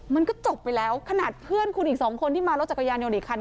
มันก็จบไปแล้วขนาดเพื่อนคุณอีกสองคนที่มารถจักรยานยนต์อีกคัน